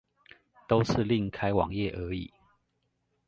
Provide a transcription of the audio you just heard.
都是另開網頁而已